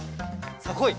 さあこい。